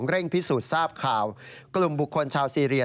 เร่งพิสูจน์ทราบข่าวกลุ่มบุคคลชาวซีเรีย